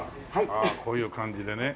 ああこういう感じでね。